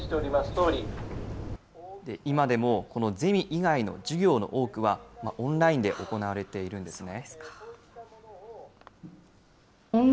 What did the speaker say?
今でもこのゼミ以外の授業の多くは、オンラインで行われているんですね。